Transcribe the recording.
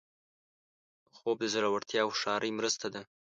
خوب د زړورتیا او هوښیارۍ مرسته ده